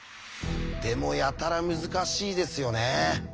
でもやたら難しいですよね。